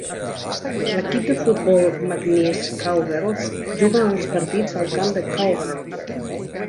L'equip de futbol McNeese Cowgirls juga els partits al camp de Cowgirl.